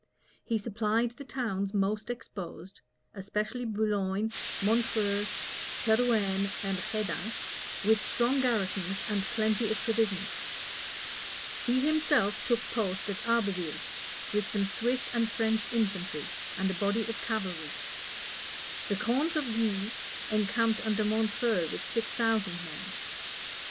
He supplied the towns most exposed, especially Boulogne, Montreuil, Terouenne, Hedin with strong garrisons and plenty of provisions: he himself took post at Abbeville, with some Swiss and French infantry, and a body of cavalry: the count of Guise encamped under Montreuil with six thousand men.